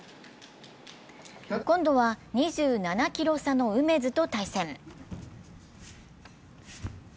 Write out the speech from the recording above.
今度は２７ｋｇ差の梅津と対戦。